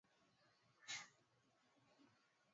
katika Mto Momella na Kreta ya Ngurudoto